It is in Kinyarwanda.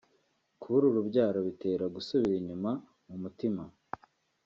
kubura urubyaro bitera gusubira inyuma mu mutima